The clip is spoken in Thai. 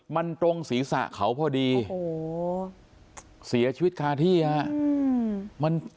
มันตรงศีรษะเขาพอดีโอ้โหเสียชีวิตคาที่ฮะ